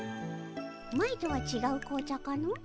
前とはちがう紅茶かの？